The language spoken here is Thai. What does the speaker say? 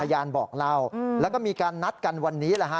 ยานบอกเล่าแล้วก็มีการนัดกันวันนี้แหละฮะ